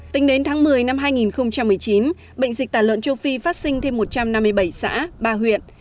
tính đến tháng một mươi năm hai nghìn một mươi chín bệnh dịch tả lợn châu phi phát sinh thêm một trăm năm mươi bảy xã ba huyện